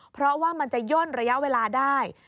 เพราะว่ามันจะย่นระยะเวลาได้